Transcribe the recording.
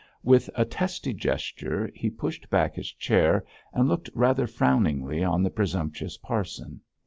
With a testy gesture he pushed back his chair and looked rather frowningly on the presumptuous parson.